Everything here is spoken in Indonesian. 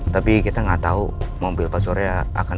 tapi kita gak tau mobil pak surya akan